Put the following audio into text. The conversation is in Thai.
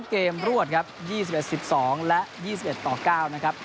เกมรวดครับ๒๑๑๒และ๒๑ต่อ๙นะครับ